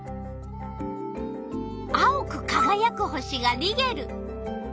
青くかがやく星がリゲル。